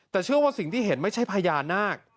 แต่เชื่อว่าสิ่งที่เห็นไม่ใช่พญานาค